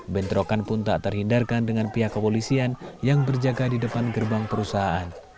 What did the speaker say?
bentrokan pun tak terhindarkan dengan pihak kepolisian yang berjaga di depan gerbang perusahaan